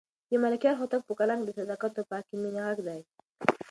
د ملکیار هوتک په کلام کې د صداقت او پاکې مینې غږ دی.